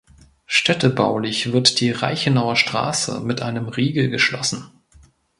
Städtebaulich wird die Reichenauer Straße mit einem Riegel geschlossen.